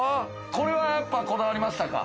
これはやっぱこだわりましたか？